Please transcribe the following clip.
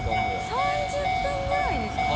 ３０分ぐらいですかね。